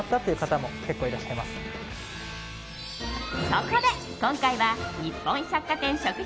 そこで今回は日本百貨店しょく